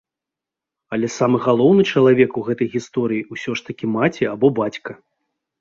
Але самы галоўны чалавек у гэтай гісторыі ўсё ж такі маці або бацька.